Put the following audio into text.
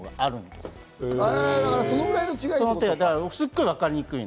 すごくわかりにくいの。